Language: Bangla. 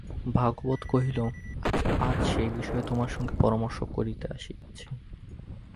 ভাগবত কহিল, আজ সেই বিষয়ে তোমার সঙ্গে পরামর্শ করিতে আসিয়াছি।